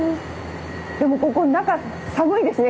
でもここ中寒いですね